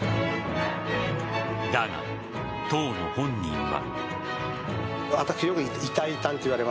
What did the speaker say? だが、当の本人は。